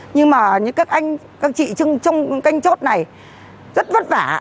nhưng mà các anh các chị trong canh chốt này rất vất vả